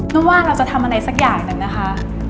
ไม่ว่าเราจะทำอะไรสักอย่างหนึ่งนะคะ